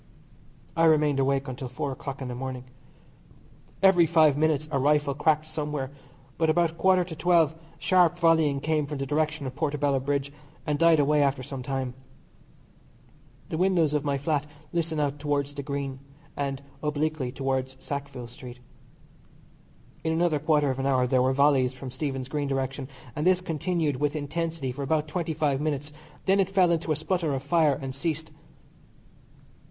I remained awake until four o'clock in the morning. Every five minutes a rifle cracked somewhere, but about a quarter to twelve sharp volleying came from the direction of Portobello Bridge, and died away after some time. The windows of my flat listen out towards the Green, and obliquely towards Sackville Street. In another quarter of an hour there were volleys from Stephen's Green direction, and this continued with intensity for about twenty five minutes. Then it fell into a sputter of fire and ceased.